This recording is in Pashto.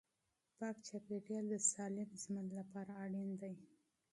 پاک چاپیریال د سالم ژوند لپاره اړین دی.